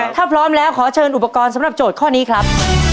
ถ้าพร้อมแล้วขอเชิญอุปกรณ์สำหรับโจทย์ข้อนี้ครับ